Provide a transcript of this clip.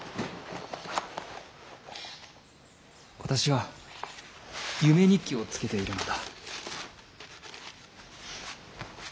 私は夢日記をつけているのだ。